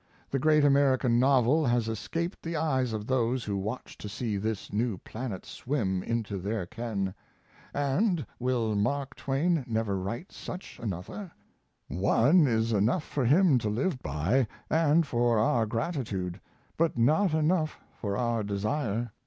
The great American novel has escaped the eyes of those who watch to see this new planet swim into their ken. And will Mark Twain never write such another? One is enough for him to live by, and for our gratitude, but not enough for our desire.